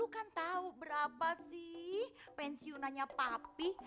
kan tahu berapa sih pensiunannya papi